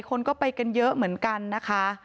คนก็ไปกันเยอะเหมือนกันนะคะ